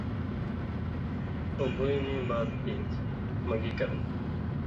او بُوئ مِیں باد ای تھی مہ گی کرم؟